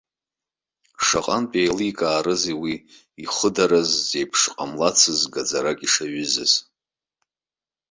Шаҟантә иеиликаарызеи уи ихыдараз, зеиԥш ҟамлацыз гаӡарак ишаҩызаз.